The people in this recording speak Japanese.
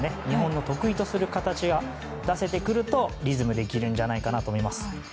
日本の得意とする形を出せてくるとリズムができるんじゃないかなと思います。